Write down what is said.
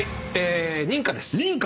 認可です。